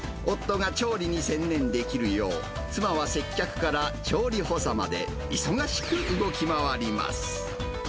夫が調理に専念できるよう、妻は接客から調理補佐まで忙しく動き回ります。